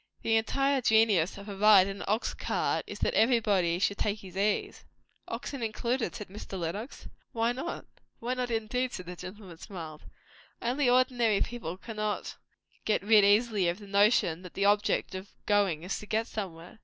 The entire genius of a ride in an ox cart is, that everybody should take his ease." "Oxen included?" said Mr. Lenox. "Why not?" "Why not, indeed!" said the gentleman, smiling. "Only, ordinary people cannot get rid easily of the notion that the object of going is to get somewhere."